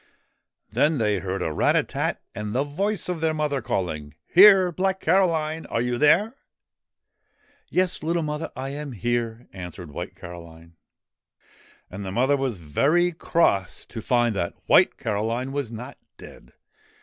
Then they heard a rat a tat, and the voice of their mother calling :' Here ! Black Caroline ! Are you there ?' 'Yes, little mother, I am here,' answered White Caroline. And the mother was very cross to find that White Caroline was not dead.